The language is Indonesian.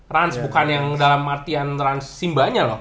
rans bukan yang dalam artian rans simba nya loh